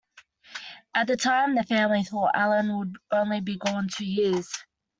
At the time the family thought Allan would only be gone two years.